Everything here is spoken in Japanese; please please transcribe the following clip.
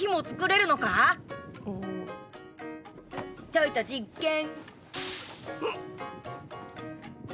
ちょいと実験！